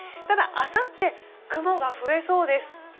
ただあさって雲が増えそうです。